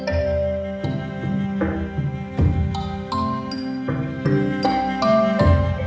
ขอบคุณทุกคน